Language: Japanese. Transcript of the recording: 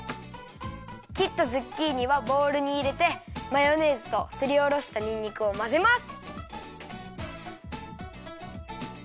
きったズッキーニはボウルにいれてマヨネーズとすりおろしたにんにくをまぜます。